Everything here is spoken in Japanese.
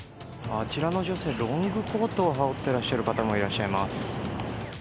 あちらの女性、ロングコートを羽織っている方もいらっしゃいます。